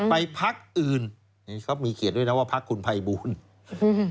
ไปพักอื่นเขามีเขียนด้วยนะว่าพักขุนภัยบูรณ์อืม